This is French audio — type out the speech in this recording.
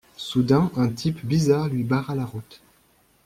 Soudain un type bizarre lui barra la route.